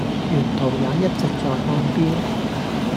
沿途也一直在看錶